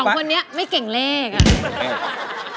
คนนี้ไม่เก่งเลขอะ